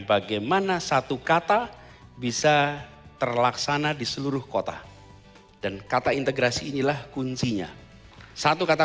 bagaimana satu kata bisa terlaksana di seluruh kota dan kata integrasi inilah kuncinya satu kata